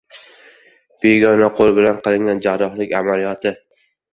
Begona qoʻl bilan qilingan jarrohlik amaliyoti.